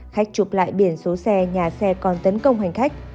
khách chụp lại biển số xe nhà xe còn tấn công hành khách